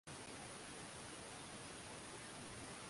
alikuwa kiranja mkuu katika shule ya sekondari ya tanga